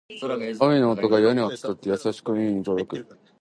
雨の音が屋根を伝って、優しく耳に届く